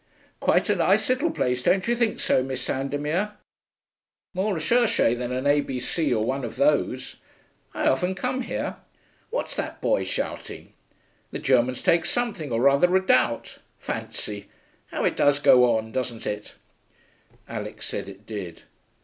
'Quite a nice little place, don't you think so, Miss Sandomir? More recherché than an A.B.C. or one of those. I often come here.... What's that boy shouting? The Germans take something or other redoubt.... Fancy! How it does go on, doesn't it?' Alix said it did.